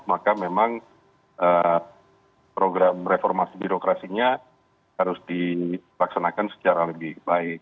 maka memang program reformasi birokrasinya harus dilaksanakan secara lebih baik